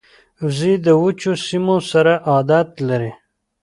وزې د وچو سیمو سره عادت لري